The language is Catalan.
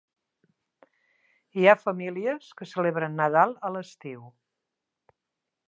Hi ha famílies que celebren Nadal a l'estiu.